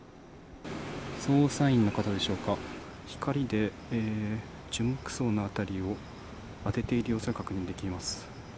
捜査員の方でしょうか、光で樹木葬の辺りを当てている様子が確認できます。